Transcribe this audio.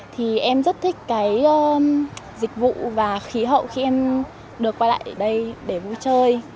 thì em rất thích cái dịch vụ và khí hậu khi em được quay lại ở đây để vui chơi